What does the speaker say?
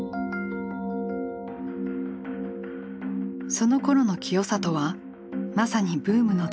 そのころの清里はまさにブームの絶頂期。